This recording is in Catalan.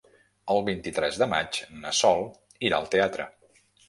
El vint-i-tres de maig na Sol irà al teatre.